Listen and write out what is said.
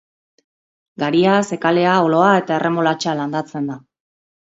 Garia, zekalea, oloa eta erremolatxa landatzen da.